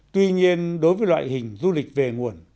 tuy nhiên đối với loại hình du lịch về nguồn